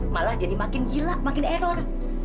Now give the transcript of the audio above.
malah jadi makin gila makin error